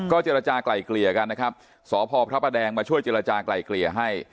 เจรจากลายเกลี่ยกันนะครับสพพระประแดงมาช่วยเจรจากลายเกลี่ยให้